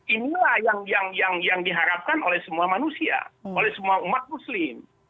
inilah yang diharapkan oleh semua manusia oleh semua umat muslim